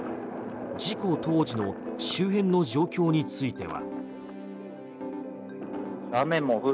事故当時の周辺の状況については。